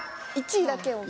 １位だけを？